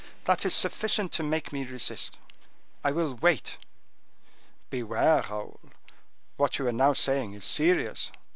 "That is sufficient to make me resist: I will wait." "Beware, Raoul! What you are now saying is serious."